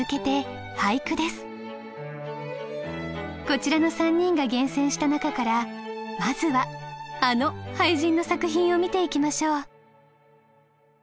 こちらの３人が厳選した中からまずはあの俳人の作品を見ていきましょう。